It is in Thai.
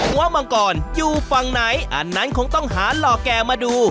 มังกรอยู่ฝั่งไหนอันนั้นคงต้องหาหล่อแก่มาดู